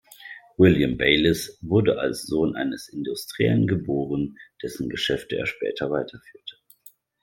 William Bayliss wurde als Sohn eines Industriellen geboren, dessen Geschäfte er später weiterführte.